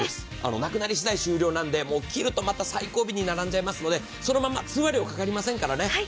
なくなりしだい終了なので切るとまた、最後尾に並んじゃいますので、そのまま通話料要りませんから。